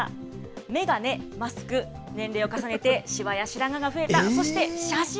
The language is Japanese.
眼鏡、マスク、年齢を重ねてしわや白髪が増えた、そして写真。